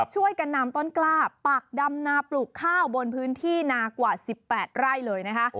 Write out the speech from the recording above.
ช่วยกันนำต้นกล้าปักดำนาปลูกข้าวบนพื้นที่นากว่า๑๘ไร่เลยนะคะ